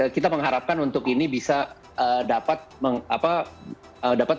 kita mengharapkan untuk ini bisa dapat